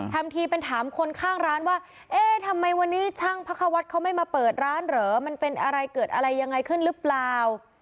ทำทีเป็นถามคนข้างร้านว่าเอ๊ะทำไมวันนี้ช่างพระควัฒน์เขาไม่มาเปิดร้านเหรอมันเป็นอะไรเกิดอะไรยังไงขึ้นหรือเปล่า